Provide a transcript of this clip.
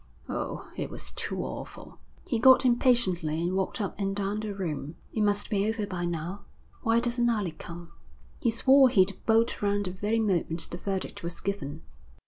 Oh, it was too awful.' He got up impatiently and walked up and down the room. 'It must be over by now. Why doesn't Alec come? He swore he'd bolt round the very moment the verdict was given.'